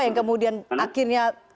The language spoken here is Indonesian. yang kemudian akhirnya